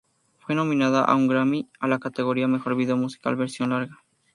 Fue nominada a un Grammy a la categoría Mejor video musical Versión Larga.